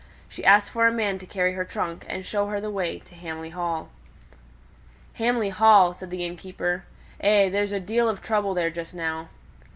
She asked for a man to carry her trunk, and show her the way to Hamley Hall. "Hamley Hall!" said the innkeeper. "Eh! there's a deal o' trouble there just now."